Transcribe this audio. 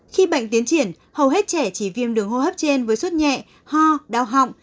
khi bệnh tiến triển hầu hết trẻ chỉ viêm đường hô hấp trên với suốt nhẹ ho đau họng